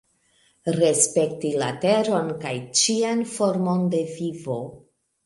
Respekti la Teron kaj ĉian formon de vivo.